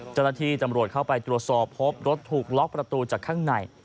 เจ้าหน้าที่ตำรวจเข้าไปตรวจสอบพบรถถูกล็อกประตูจากข้างใน